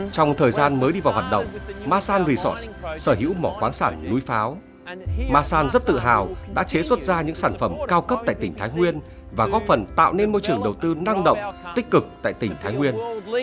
trong thời gian mới đi vào hoạt động masan resorts sở hữu mỏ khoáng sản núi pháo masan rất tự hào đã chế xuất ra những sản phẩm cao cấp tại tỉnh thái nguyên và góp phần tạo nên môi trường đầu tư năng động tích cực tại tỉnh thái nguyên